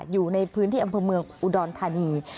อยู่ในพื้นที่อำเภอเมืองอุดรธานี